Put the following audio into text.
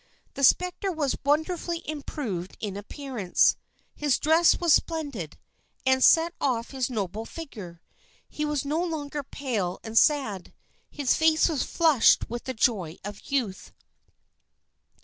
The spectre was wonderfully improved in appearance. His dress was splendid, and set off his noble figure. He was no longer pale and sad. His face was flushed with the joy of youth.